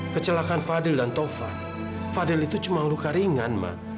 kecelakaan fadil dan tova fadil itu cuma luka ringan mbak